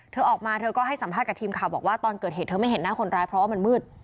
เธอออกมาเธอก็ให้สัมภาษณ์กับทีมข่าวบอกว่าตอนเกิดเหตุเธอไม่เห็นหน้าคนร้ายเพราะว่ามันมืด